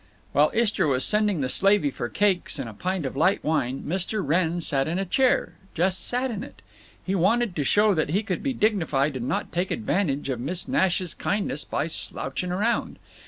While Istra was sending the slavey for cakes and a pint of light wine Mr. Wrenn sat in a chair—just sat in it; he wanted to show that he could be dignified and not take advantage of Miss Nash's kindness by slouchin' round.